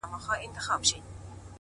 عاجزي د انسان ارزښت لوړوي،